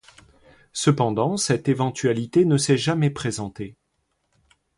Cependant, cette éventualité ne s'est jamais présentée.